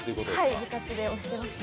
部活で、押していました。